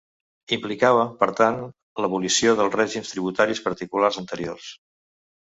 Implicava, per tant, l'abolició dels règims tributaris particulars anteriors.